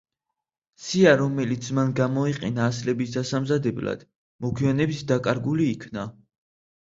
სია, რომელიც მან გამოიყენა ასლების დასამზადებლად, მოგვიანებით დაკარგული იქნა.